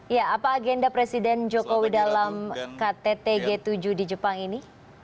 ya apa agenda presiden jokowi dalam kttg tujuh di jepang ini